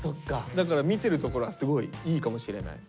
だから見てるところはすごいいいかもしれない。